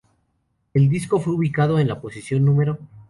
El disco fue ubicado en la posición No.